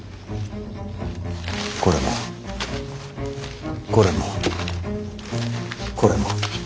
これもこれもこれも。